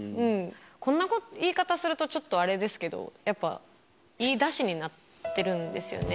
こんな言い方するとちょっとあれですけど、やっぱいいだしになってるんですよね。